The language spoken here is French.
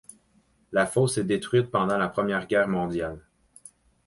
La fosse est détruite pendant la Première Guerre mondiale.